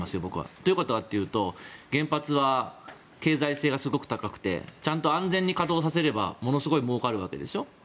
どういうことかというと原発は経済性がすごく高くて安全に稼働させればものすごいもうかるわけでしょ。